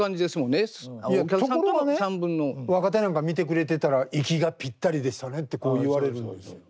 いやところがね若手なんか見てくれてたら「息がぴったりでしたね」ってこう言われるんですよ。